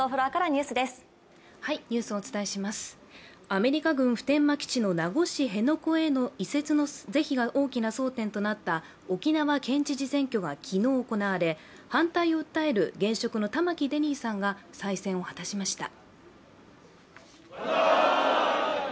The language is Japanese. アメリカ軍・普天間基地の名護市辺野古への移設の是非が大きな争点となった、沖縄県知事選挙が昨日行われ、反対を訴える現職の玉城デニーさんが再選を果たしました。